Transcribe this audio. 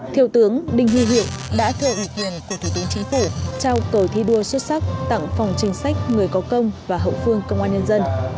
thiếu tướng đình huy việt đã theo ý kiến của thiếu tướng chính phủ trao cầu thi đua xuất sắc tặng phòng trình sách người có công và hậu phương công an nhân dân